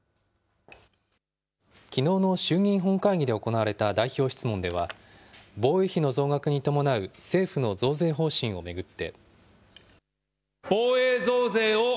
きのうの衆議院本会議で行われた代表質問では、防衛費の増額に伴う政府の増税方針を巡って。